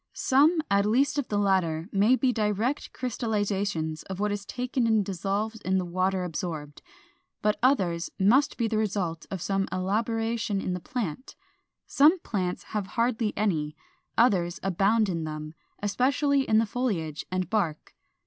Some, at least of the latter, may be direct crystallizations of what is taken in dissolved in the water absorbed, but others must be the result of some elaboration in the plant. Some plants have hardly any; others abound in them, especially in the foliage and bark.